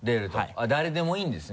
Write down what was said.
誰でもいいんですね？